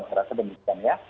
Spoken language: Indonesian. saya rasa demikian ya